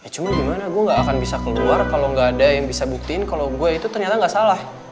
cuma gimana gue gak akan bisa keluar kalau nggak ada yang bisa buktiin kalau gue itu ternyata nggak salah